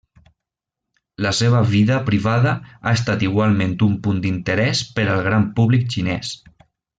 La seva vida privada ha estat igualment un punt d'interès per al gran públic xinès.